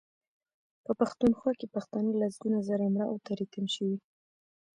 په پښتونخوا کې پښتانه لسګونه زره مړه او تري تم شوي دي.